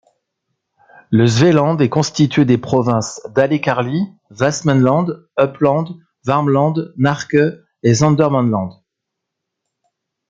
Le Svealand est constitué des provinces Dalécarlie, Västmanland, Uppland, Värmland, Närke et Södermanland.